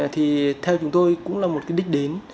thì theo chúng tôi cũng là một cái đích đến